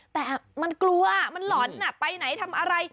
แต่มันกลัวมันหล่อนไปไหนทำอะไร